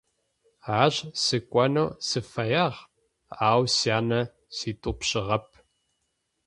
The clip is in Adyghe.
Ащ сыкӀонэу сыфэягъ, ау сянэ ситӀупщыгъэп.